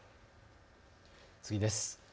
次です。